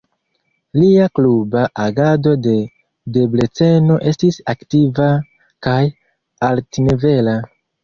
Lia kluba agado en Debreceno estis aktiva kaj altnivela.